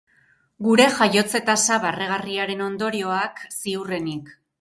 Gure jaiotze-tasa barregarriaren ondorioak, ziurrenik.